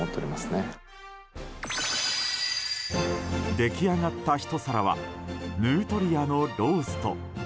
出来上がったひと皿はヌートリアのロースト。